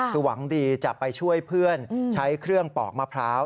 คือหวังดีจะไปช่วยเพื่อนใช้เครื่องปอกมะพร้าว